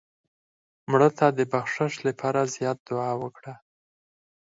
مړه ته د بخشش لپاره زیات دعا وکړه